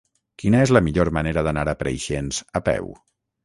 Quina és la millor manera d'anar a Preixens a peu?